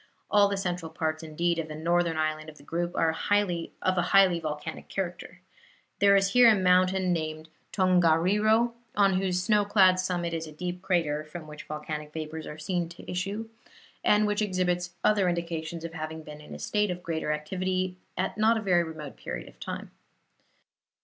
All the central parts, indeed, of the northern island of the group are of a highly volcanic character. There is here a mountain named Tongariro, on whose snow clad summit is a deep crater, from which volcanic vapors are seen to issue, and which exhibits other indications of having been in a state of greater activity at a not very remote period of time.